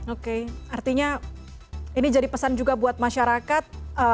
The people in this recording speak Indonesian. oke artinya ini jadi pesan juga buat masyarakat